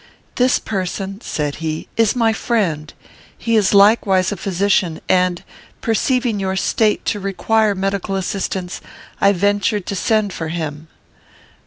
"This person," said he, "is my friend. He is likewise a physician; and, perceiving your state to require medical assistance, I ventured to send for him."